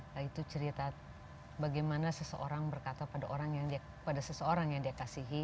nah itu cerita bagaimana seseorang berkata pada seseorang yang dia kasihi